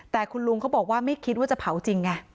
แต่คุณลุงเขาบอกว่าไม่คิดว่าจะเผาจริงไง